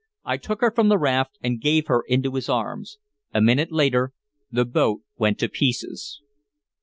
I took her from the raft and gave her into his arms. A minute later the boat went to pieces.